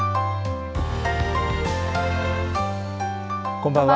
こんばんは。